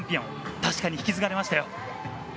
確かに引き継がれましたよ。